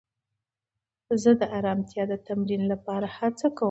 زه د ارامتیا د تمرین لپاره هڅه کوم.